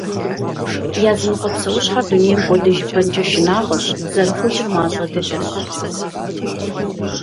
Языныкъуэ псэущхьэхэр дунейм кӀуэдыжыпэнкӏэ шынагъуэщ, зэрыхъужыр мащӏэ дыдэщ.